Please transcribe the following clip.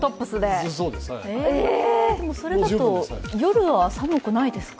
それだと夜は寒くないですか？